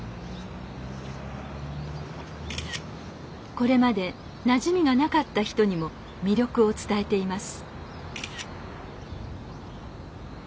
これまでなじみがなかった人にも魅力を伝えています。